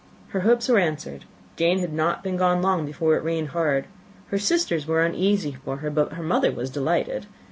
Her hopes were answered; Jane had not been gone long before it rained hard. Her sisters were uneasy for her, but her mother was delighted.